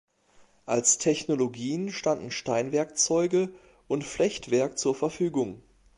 Als Technologien standen Steinwerkzeuge und Flechtwerk zur Verfügung.